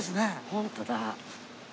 ホントだ。